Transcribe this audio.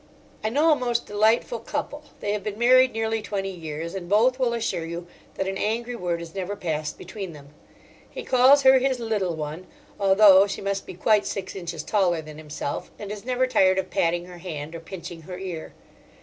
I know a most delightful couple: they have been married nearly twenty years, and both will assure you that an angry word has never passed between them. He calls her his "Little One," although she must be quite six inches taller than himself, and is never tired of patting her hand or pinching her ear.